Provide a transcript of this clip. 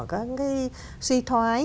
các cái suy thoái